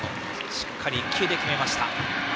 しっかり１球で決めました。